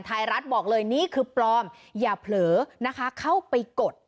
ไทยรัฐบอกเลยนี่คือปลอมอย่าเผลอนะคะเข้าไปกด